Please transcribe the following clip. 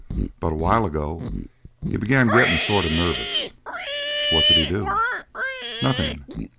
But a while ago he began getting sort of nervous." "What did he do?" "Nothing.